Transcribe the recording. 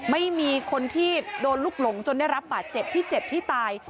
ไม่มีคนที่โดนลุกหลงจนได้รับบาดเจ็บที่เจ็บที่ตาย